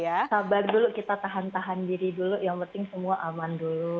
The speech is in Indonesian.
ya sabar dulu kita tahan tahan diri dulu yang penting semua aman dulu